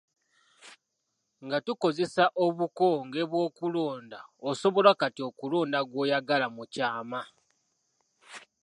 Nga tukozesa obukonge bw'okulonda osobola kati okulonda gw'oyagala mu kyama.